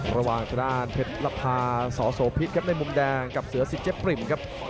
ระหว่างทางด้านเพชรภาสโสพิษครับในมุมแดงกับเสือสิทเจ๊ปริ่มครับ